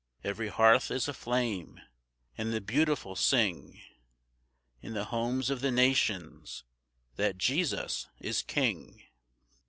Every hearth is aflame, and the Beautiful sing In the homes of the nations that Jesus is King.